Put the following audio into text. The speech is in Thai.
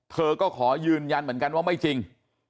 เธอก็ขอยืนยันเหมือนกันว่าไม่จริง